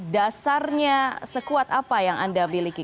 dasarnya sekuat apa yang anda miliki